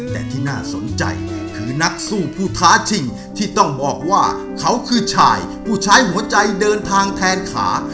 แต่ที่น่าสนใจคือนักสู้ผู้ท้าชิงที่ต้องบอกว่าเขาคือชายผู้ใช้หัวใจเดินทางแทนขา